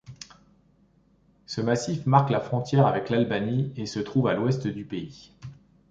Ce massif marque la frontière avec l'Albanie et se trouve à l'ouest du pays.